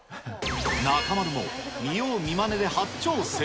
中丸も見よう見まねで初挑戦。